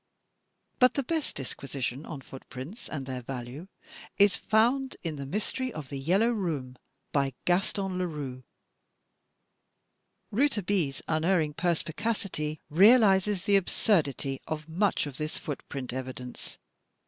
But the best disquisition on footprints and their value is found in "The Mystery of the Yellow Room," by Gaston Leroux. Rouletabille's unerring perspicacity realizes the absurdity of much of this foot print evidence.